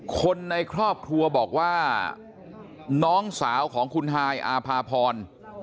คนในครอบครัวบอกว่าน้องสาวของคุณฮายอาภาพร